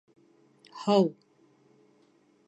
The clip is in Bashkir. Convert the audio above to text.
Һыу.